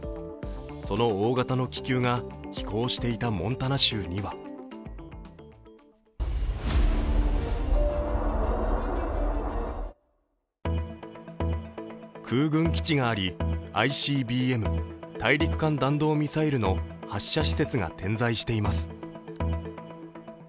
その大型の気球が飛行していたモンタナ州には空軍基地があり、ＩＣＢＭ＝大陸間弾道ミサイルの発射施設が点在しています。